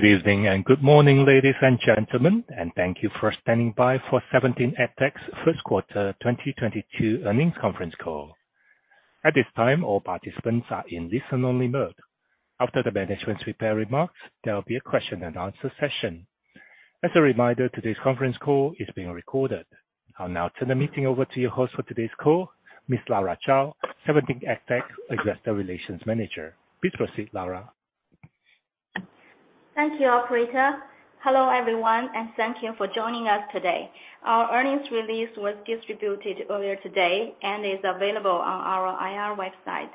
Good evening and good morning, ladies and gentlemen, and thank you for standing by for 17EdTech's Q1 2022 earnings conference call. At this time, all participants are in listen only mode. After the management's prepared remarks, there will be a Q&A session. As a reminder, today's conference call is being recorded. I'll now turn the meeting over to your host for today's call, Ms. Lara Zhao, SeventeenEdTech Investor Relations Manager. Please proceed, Lara. Thank you, operator. Hello, everyone, and thank you for joining us today. Our earnings release was distributed earlier today and is available on our IR website.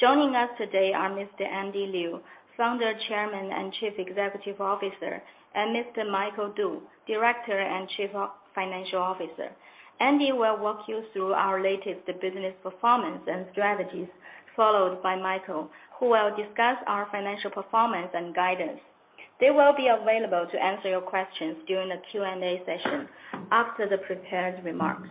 Joining us today are Mr. Andy Liu, Founder, Chairman, and Chief Executive Officer, and Mr. Michael Du, Director and Chief Financial Officer. Andy will walk you through our latest business performance and strategies, followed by Michael, who will discuss our financial performance and guidance. They will be available to answer your questions during the Q&A session after the prepared remarks.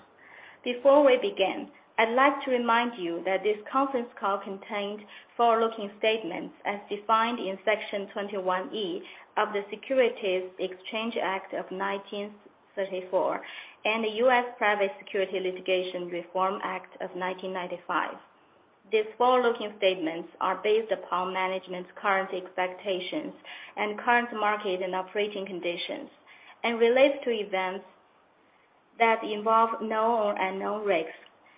Before we begin, I'd like to remind you that this conference call contains forward-looking statements as defined in Section 21E of the Securities Exchange Act of 1934 and the US Private Securities Litigation Reform Act of 1995. These forward-looking statements are based upon management's current expectations and current market and operating conditions and relate to events that involve known risks,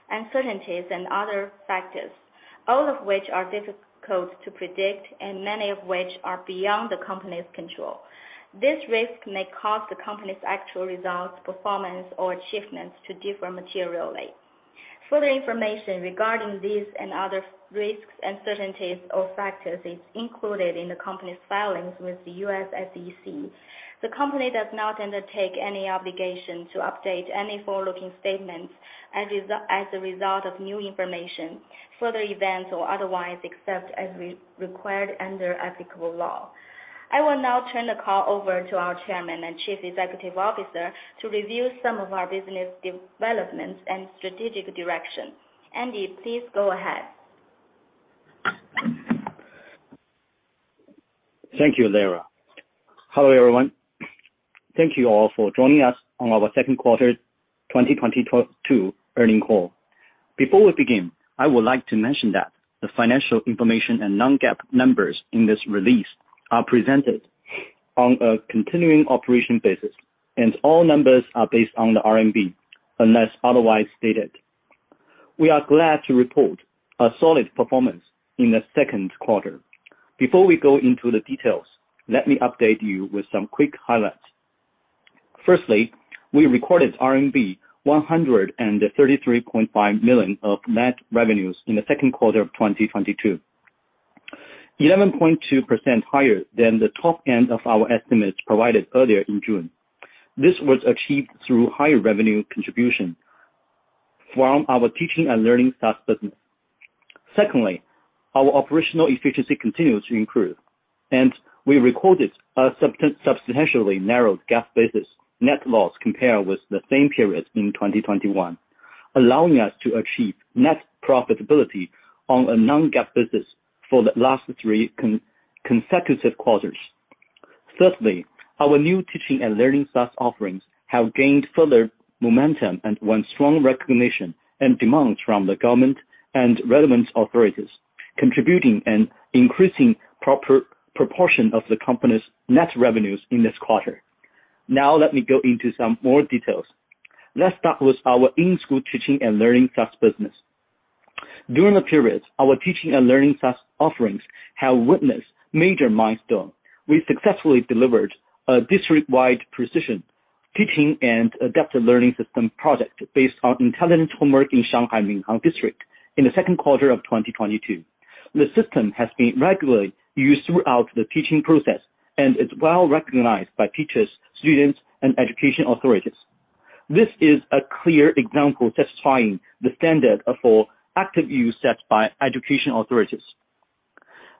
uncertainties and other factors, all of which are difficult to predict and many of which are beyond the company's control. These risks may cause the company's actual results, performance or achievements to differ materially. Further information regarding these and other risks, uncertainties or factors is included in the company's filings with the U.S. SEC. The company does not undertake any obligation to update any forward-looking statements as a result of new information, further events or otherwise, except as required under applicable law. I will now turn the call over to our Chairman and Chief Executive Officer to review some of our business developments and strategic direction. Andy, please go ahead. Thank you, Lara. Hello, everyone. Thank you all for joining us on our Q2 2022 earnings call. Before we begin, I would like to mention that the financial information and non-GAAP numbers in this release are presented on a continuing operations basis and all numbers are based on the RMB unless otherwise stated. We are glad to report a solid performance in the Q2. Before we go into the details, let me update you with some quick highlights. First, we recorded RMB 133.5 million of net revenues in the Q2 of 2022, 11.2% higher than the top end of our estimates provided earlier in June. This was achieved through higher revenue contribution from our teaching and learning SaaS business. Secondly, our operational efficiency continues to improve and we recorded a substantially narrowed GAAP basis net loss compared with the same period in 2021, allowing us to achieve net profitability on a non-GAAP basis for the last three consecutive quarters. Thirdly, our new teaching and learning SaaS offerings have gained further momentum and won strong recognition and demand from the government and relevant authorities, contributing an increasing proportion of the company's net revenues in this quarter. Now let me go into some more details. Let's start with our in-school teaching and learning SaaS business. During the period, our teaching and learning SaaS offerings have witnessed major milestone. We successfully delivered a district-wide precision teaching and adaptive learning system project based on intelligent homework in Shanghai, Minhang District in the Q2 of 2022. The system has been regularly used throughout the teaching process and is well recognized by teachers, students and education authorities. This is a clear example satisfying the standard for active use set by education authorities.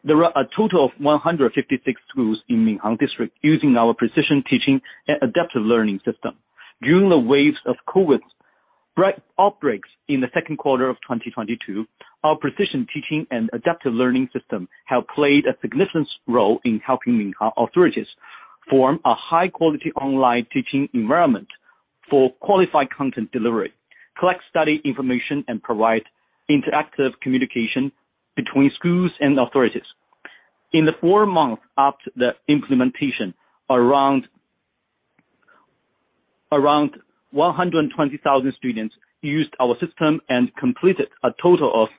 There are a total of 156 schools in Minhang District using our precision teaching and adaptive learning system. During the waves of COVID breakouts in the Q2 of 2022, our precision teaching and adaptive learning system have played a significant role in helping Minhang authorities form a high quality online teaching environment for qualified content delivery, collect study information, and provide interactive communication between schools and authorities. In the four months after the implementation, around 120,000 students used our system and completed a total of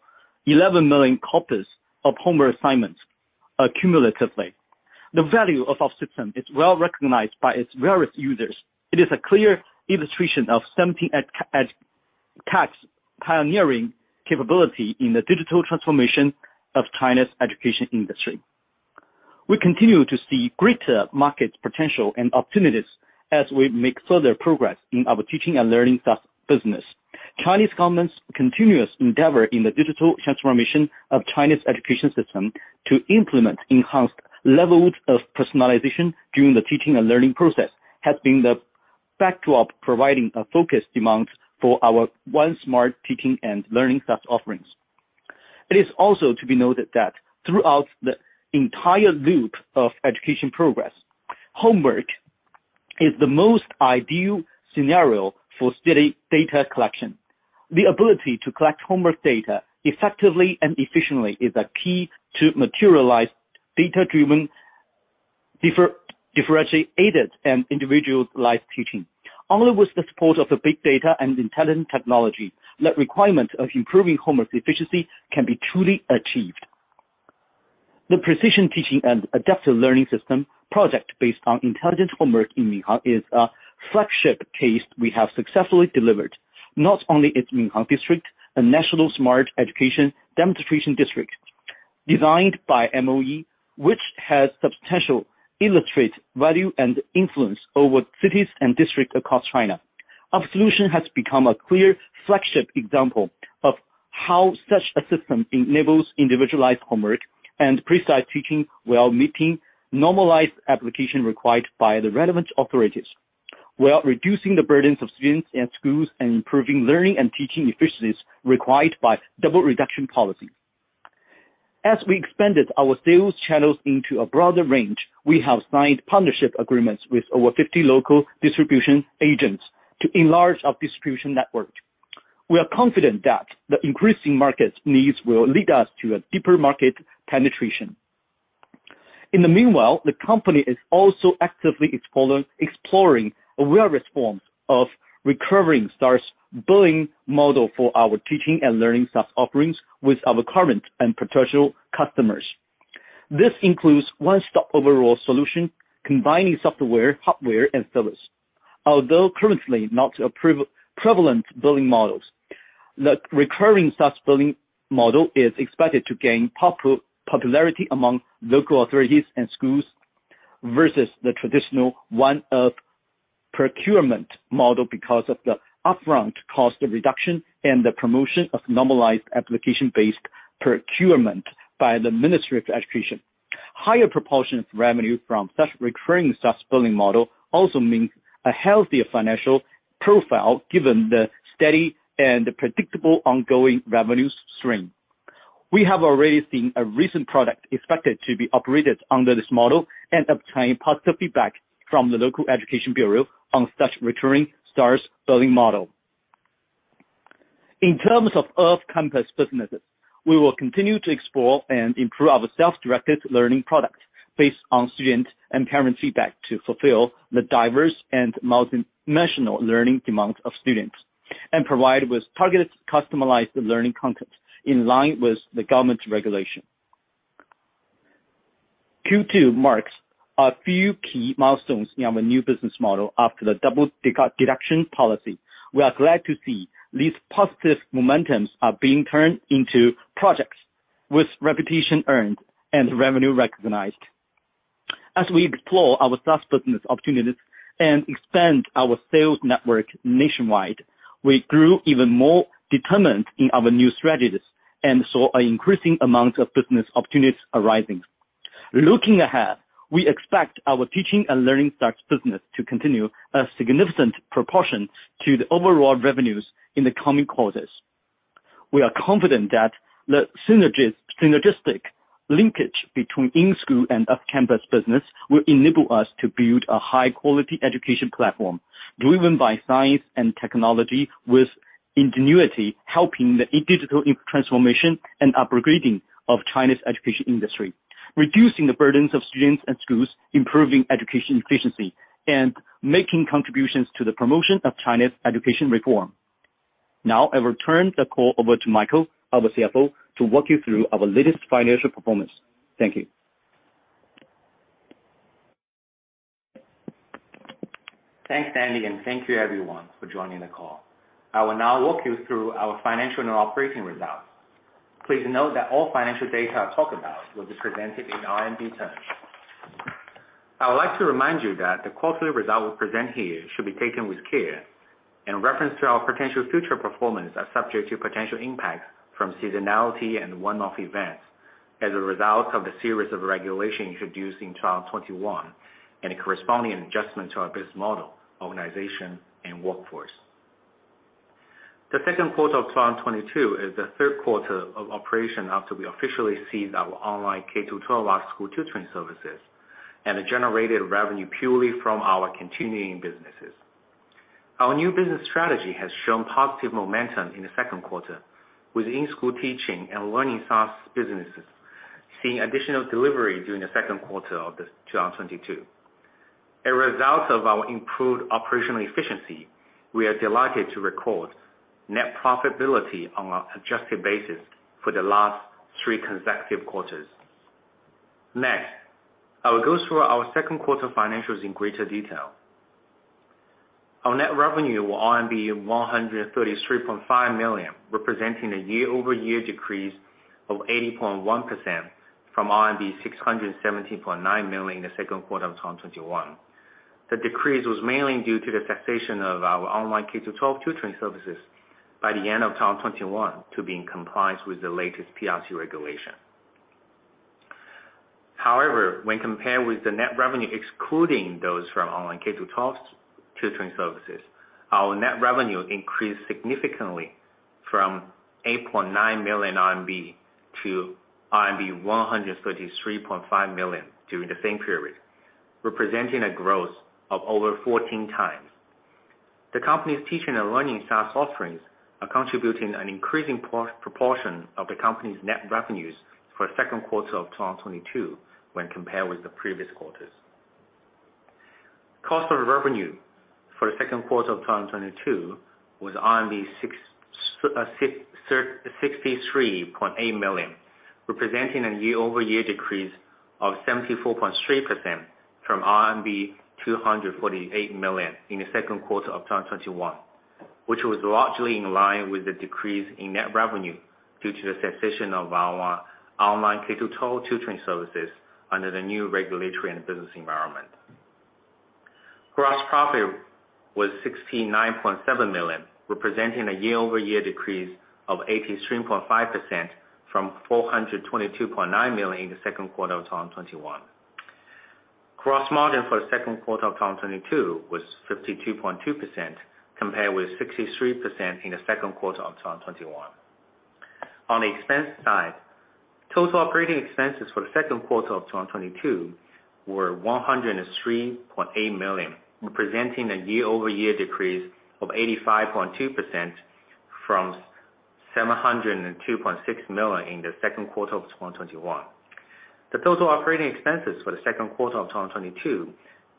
11 million copies of homework assignments accumulatively. The value of our system is well recognized by its various users. It is a clear illustration of SeventeenEdTech's pioneering capability in the digital transformation of China's education industry. We continue to see greater market potential and opportunities as we make further progress in our teaching and learning SaaS business. Chinese government's continuous endeavor in the digital transformation of Chinese education system to implement enhanced levels of personalization during the teaching and learning process has been the backdrop providing a focused demand for our own smart teaching and learning SaaS offerings. It is also to be noted that throughout the entire loop of education progress, homework is the most ideal scenario for steady data collection. The ability to collect homework data effectively and efficiently is a key to materialize data-driven differentiated and individualized teaching. Only with the support of the big data and intelligent technology, the requirement of improving homework efficiency can be truly achieved. The precision teaching and adaptive learning system project based on intelligent homework in Minhang is a flagship case we have successfully delivered. Not only is Minhang District a national smart education demonstration district designed by MOE, which has substantial illustrative value and influence over cities and districts across China. Our solution has become a clear flagship example of how such a system enables individualized homework and precise teaching, while meeting normalized application required by the relevant authorities, while reducing the burdens of students and schools and improving learning and teaching efficiencies required by double reduction policy. We expanded our sales channels into a broader range, we have signed partnership agreements with over 50 local distribution agents to enlarge our distribution network. We are confident that the increasing market needs will lead us to a deeper market penetration. In the meanwhile, the company is also actively exploring various forms of recurring SaaS billing model for our teaching and learning SaaS offerings with our current and potential customers. This includes one-stop overall solution combining software, hardware and service. Although currently not a prevalent billing models, the recurring SaaS billing model is expected to gain popularity among local authorities and schools versus the traditional one-off procurement model because of the upfront cost reduction and the promotion of normalized application-based procurement by the Ministry of Education. Higher proportion of revenue from such recurring SaaS billing model also means a healthier financial profile given the steady and predictable ongoing revenues stream. We have already seen a recent product expected to be operated under this model and obtain positive feedback from the local education bureau on such recurring SaaS billing model. In terms of off-campus businesses, we will continue to explore and improve our self-directed learning product based on student and parent feedback to fulfill the diverse and multinational learning demands of students, and provide targeted, customized learning content in line with the government's regulation. Q2 marks a few key milestones in our new business model after the double reduction policy. We are glad to see these positive momentums are being turned into projects with reputation earned and revenue recognized. As we explore our SaaS business opportunities and expand our sales network nationwide, we grew even more determined in our new strategies and saw an increasing amount of business opportunities arising. Looking ahead, we expect our teaching and learning SaaS business to contribute a significant proportion to the overall revenues in the coming quarters. We are confident that the synergistic linkage between in-school and off-campus business will enable us to build a high-quality education platform driven by science and technology, with ingenuity helping the digital transformation and upgrading of China's education industry, reducing the burdens of students and schools, improving education efficiency, and making contributions to the promotion of China's education reform. Now I will turn the call over to Michael, our CFO, to walk you through our latest financial performance. Thank you. Thanks, Andy, and thank you everyone for joining the call. I will now walk you through our financial and operating results. Please note that all financial data I talk about will be presented in RMB terms. I would like to remind you that the quarterly result we present here should be taken with care in reference to our potential future performance are subject to potential impacts from seasonality and one-off events as a result of the series of regulation introduced in China 2021 and a corresponding adjustment to our business model, organization and workforce. The Q2 of 2022 is the Q3 of operation after we officially ceased our online K-12 after-school tutoring services, and it generated revenue purely from our continuing businesses. Our new business strategy has shown positive momentum in the Q2, with in-school teaching and learning SaaS businesses seeing additional delivery during the Q2 of 2022. A result of our improved operational efficiency, we are delighted to record net profitability on our adjusted basis for the last three consecutive quarters. Next, I will go through our Q2 financials in greater detail. Our net revenue were 133.5 million, representing a year-over-year decrease of 80.1% from RMB 617.9 million in the Q2 of 2021. The decrease was mainly due to the cessation of our online K-12 tutoring services by the end of 2021 to be in compliance with the latest PRC law. However, when compared with the net revenue excluding those from online K-12 tutoring services, our net revenue increased significantly from 8.9 million RMB to RMB 133.5 million during the same period, representing a growth of over 14x. The company's teaching and learning SaaS offerings are contributing an increasing proportion of the company's net revenues for Q2 of 2022 when compared with the previous quarters. Cost of revenue for the Q2 of 2022 was RMB 663.8 million, representing a year-over-year decrease of 74.3% from RMB 248 million in the Q2 of 2021, which was largely in line with the decrease in net revenue due to the cessation of our online K-12 tutoring services under the new regulatory and business environment. Gross profit was 69.7 million, representing a year-over-year decrease of 83.5% from 422.9 million in the Q2 of 2021. Gross margin for the Q2 of 2022 was 52.2% compared with 63% in the Q2 of 2021. On the expense side, total operating expenses for the Q2 of 2022 were 103.8 million, representing a year-over-year decrease of 85.2% from 702.6 million in the Q2 of 2021. The total operating expenses for the Q2 of 2022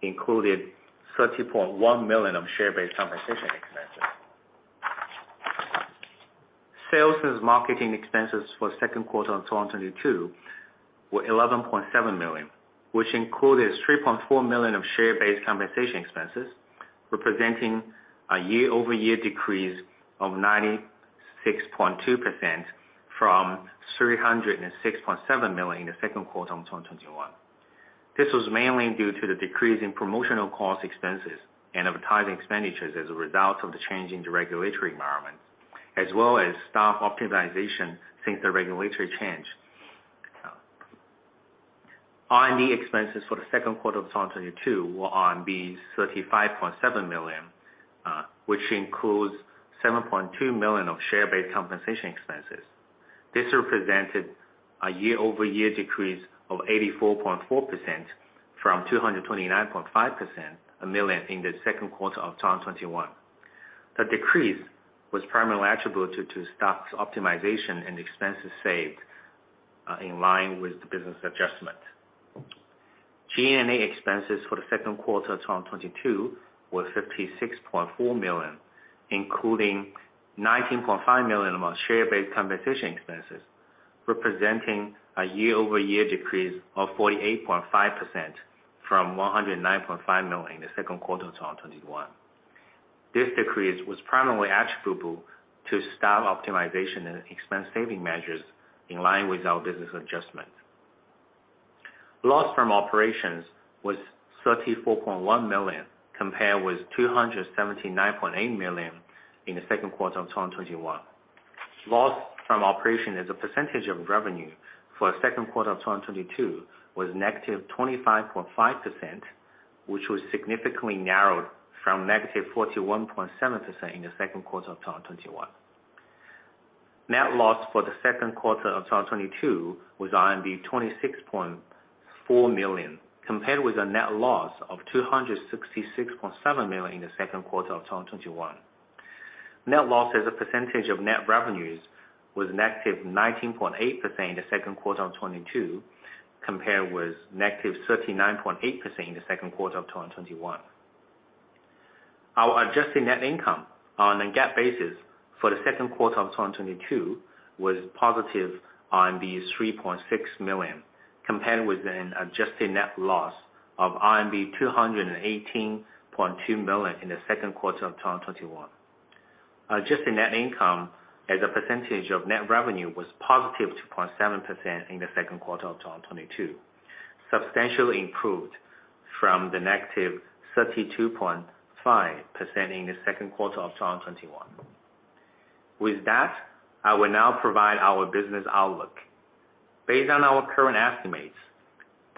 included 30.1 million of share-based compensation expenses. Sales and marketing expenses for the Q2 of 2022 were 11.7 million, which included 3.4 million of share-based compensation expenses, representing a year-over-year decrease of 96.2% from 306.7 million in the Q2 of 2021. This was mainly due to the decrease in promotional cost expenses and advertising expenditures as a result of the change in the regulatory environment, as well as staff optimization since the regulatory change. R&D expenses for the Q2 of 2022 were 35.7 million, which includes 7.2 million of share-based compensation expenses. This represented a year-over-year decrease of 84.4% from 229.5 million in the Q2 of 2021. The decrease was primarily attributable to staff optimization and expenses saved in line with the business adjustment. G&A expenses for the Q2 of 2022 were 56.4 million, including 19.5 million of share-based compensation expenses, representing a year-over-year decrease of 48.5% from 109.5 million in the Q2 of 2021. This decrease was primarily attributable to staff optimization and expense saving measures in line with our business adjustment. Loss from operations was 34.1 million, compared with 279.8 million in the Q2 of 2021. Loss from operation as a percentage of revenue for the Q2 of 2022 was -25.5%, which was significantly narrowed from -41.7% in the Q2 of 2021. Net loss for the Q2 of 2022 was RMB 26.4 million, compared with a net loss of 266.7 million in the Q2 of 2021. Net loss as a percentage of net revenues was -19.8% in the Q2 of 2022, compared with -39.8% in the Q2 of 2021. Our adjusted net income on a GAAP basis for the Q2 of 2022 was positive 3.6 million, compared with an adjusted net loss of RMB 218.2 million in the Q2 of 2021. Adjusted net income as a percentage of net revenue was positive 2.7% in the Q2 of 2022, substantially improved from the negative 32.5% in the Q2 of 2021. With that, I will now provide our business outlook. Based on our current estimates,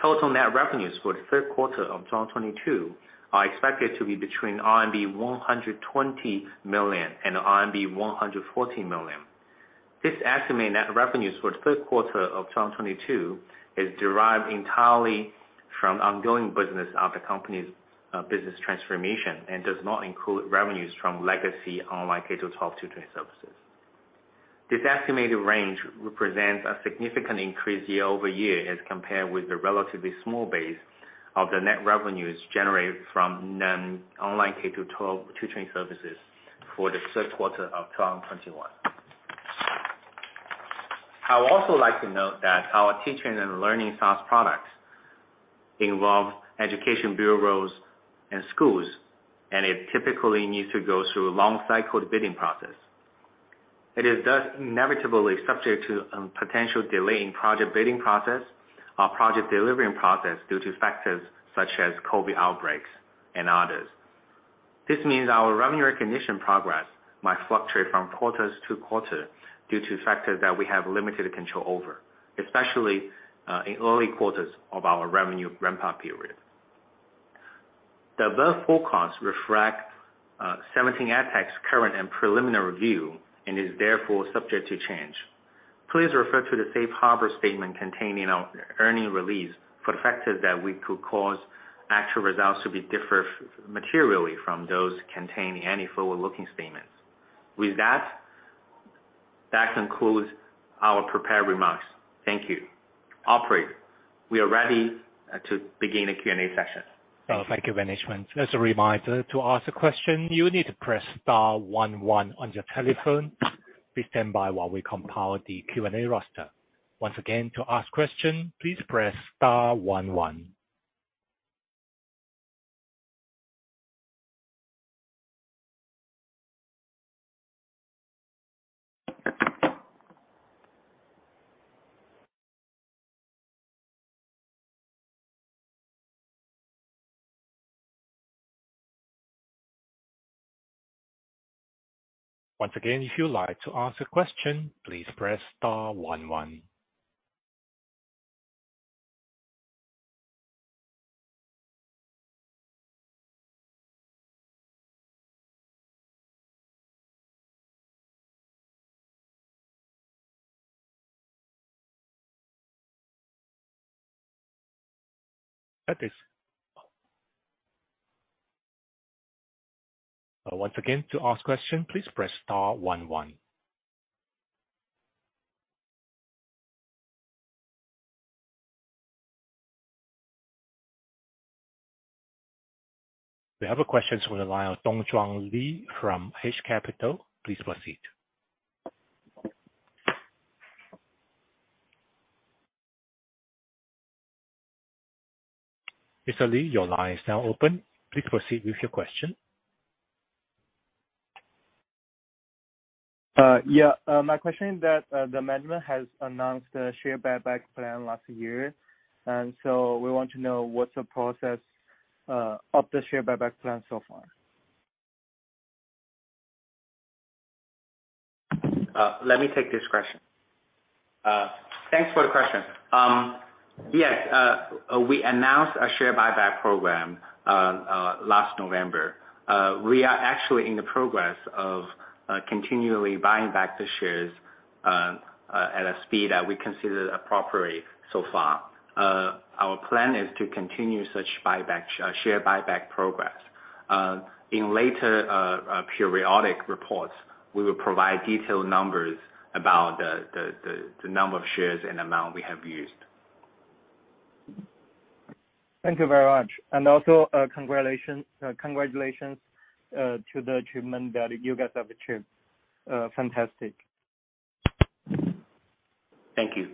total net revenues for the Q3 of 2022 are expected to be between RMB 120 million and RMB 114 million. This estimated net revenues for the Q3 of 2022 is derived entirely from ongoing business of the company's business transformation and does not include revenues from legacy online K-12 tutoring services. This estimated range represents a significant increase year-over-year as compared with the relatively small base of the net revenues generated from non-online K-12 tutoring services for the Q3 of 2021. I would also like to note that our teaching and learning SaaS products involve education bureaus and schools, and it typically needs to go through a long cycle of bidding process. It is thus inevitably subject to potential delay in project bidding process or project delivering process due to factors such as COVID outbreaks and others. This means our revenue recognition progress might fluctuate from quarters to quarter due to factors that we have limited control over, especially in early quarters of our revenue ramp-up period. The above forecast reflect 17Tech's current and preliminary review, and is therefore subject to change. Please refer to the safe harbor statement contained in our earnings release for the factors that could cause actual results to differ materially from those contained in any forward-looking statements. With that concludes our prepared remarks. Thank you. Operator, we are ready to begin the Q&A session. Thank you, management. As a reminder, to ask a question, you need to press star one one on your telephone. Please stand by while we compile the Q&A roster. Once again, to ask question, please press star one one. Once again, if you'd like to ask a question, please press star one one. Once again, to ask question, please press star one one. We have a question from the line of DongZhuang Li from H Capital. Please proceed. Mr. Lee, your line is now open. Please proceed with your question. Yeah. My question is that the management has announced a share buyback plan last year, and so we want to know what's the process of the share buyback plan so far. Let me take this question. Thanks for the question. Yes. We announced a share buyback program last November. We are actually in the progress of continually buying back the shares at a speed that we consider appropriate so far. Our plan is to continue such share buyback progress. In later periodic reports, we will provide detailed numbers about the number of shares and amount we have used. Thank you very much. Also, congratulations to the achievement that you guys have achieved. Fantastic. Thank you.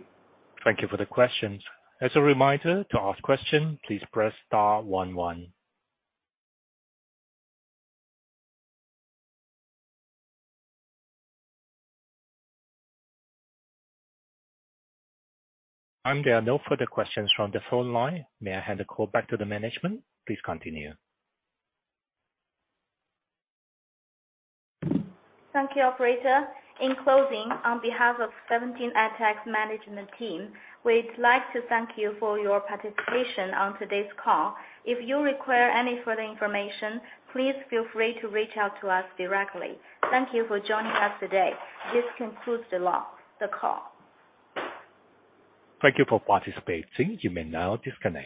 Thank you for the questions. As a reminder, to ask question, please press star one one. There are no further questions from the phone line. May I hand the call back to the management? Please continue. Thank you, operator. In closing, on behalf of SeventeenTech's management team, we'd like to thank you for your participation on today's call. If you require any further information, please feel free to reach out to us directly. Thank you for joining us today. This concludes our call. Thank you for participating. You may now disconnect.